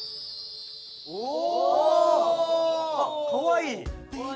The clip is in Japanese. かわいい。